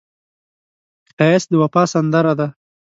ښایست د وفا سندره ده